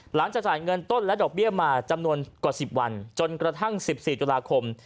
หลังจากจ่ายเงินต้นและดอกเบี้ยมาจำนวนกว่าสิบวันจนกระทั่งสิบสี่จุฬาคม